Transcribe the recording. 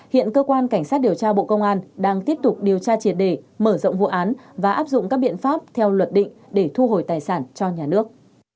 hiện cơ quan cảnh sát điều tra bộ công an đang tiếp tục điều tra triệt đề mở rộng vụ án và áp dụng các biện pháp theo luật định để thu hồi tài sản cho nhà nước